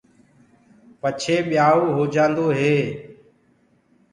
پڇي ٻيآئوٚ هوجآندو هي۔